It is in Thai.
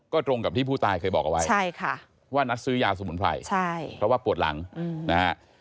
ก็ตรงกับที่ผู้ตายเคยบอกเอาไว้ว่านัดซื้อยาสมุนไพรใช่เพราะว่าปวดหลังนะฮะ